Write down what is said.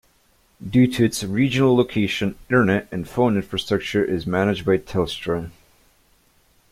Due to its regional location, internet and phone infrastructure is managed by Telstra.